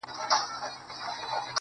• سیاه پوسي ده، دا دی لا خاندي.